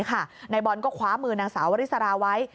นายบอลก็คว้ามือนางสาววริสราไว้